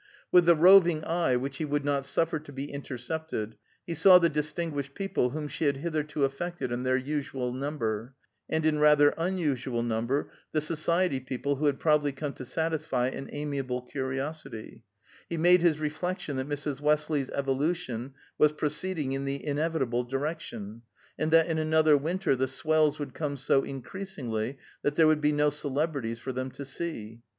With the roving eye, which he would not suffer to be intercepted, he saw the distinguished people whom she had hitherto affected in their usual number, and in rather unusual number the society people who had probably come to satisfy an amiable curiosity; he made his reflection that Mrs. Westley's evolution was proceeding in the inevitable direction, and that in another winter the swells would come so increasingly that there would be no celebrities for them to see.